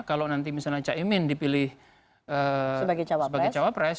kalau nanti misalnya cak imin dipilih sebagai cawapres